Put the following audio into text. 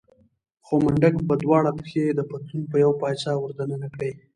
خو منډک به دواړه پښې د پتلون په يوه پایڅه ور دننه کړې.